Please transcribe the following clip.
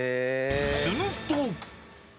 すると！